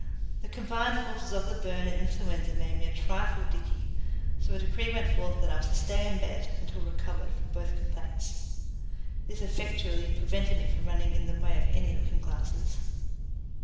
The combined forces of the burn and influenza made me a trifle dicky, so a decree went forth that I was to stay in bed until recovered from both complaints. This effectually prevented me from running in the way of any looking glasses.